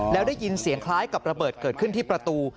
แล้วได้ยินเสียงคล้ายกับระเบิดเกิดขึ้นที่ประตู